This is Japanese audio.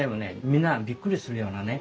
みんながびっくりするようなね